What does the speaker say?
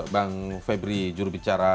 bang febri jurubicara